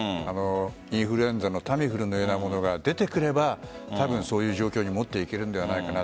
インフルエンザのタミフルのようなものが出てくれば多分そういう状況に持っていけるのではないかな。